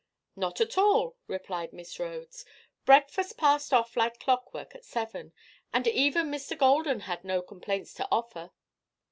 "Not at all," replied Miss Rhodes. "Breakfast passed off like clockwork at seven, and even Mr. Golden had no complaints to offer.